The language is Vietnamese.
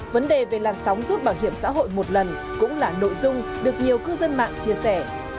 vấn đề về làn sóng rút bảo hiểm xã hội một lần cũng là nội dung được nhiều cư dân mạng chia sẻ